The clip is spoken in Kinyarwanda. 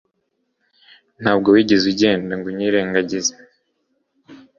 ntabwo wigeze ugenda ngunyirengagize